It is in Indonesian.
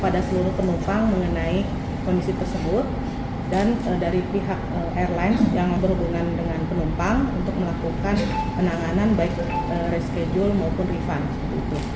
dan penumpang yang berhubungan dengan penumpang untuk melakukan penanganan baik reschedule maupun refund